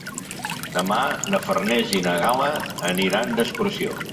Demà na Farners i na Gal·la aniran d'excursió.